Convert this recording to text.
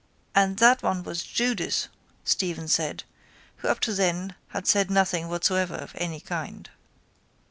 —And that one was Judas, Stephen said, who up to then had said nothing whatsoever of any kind.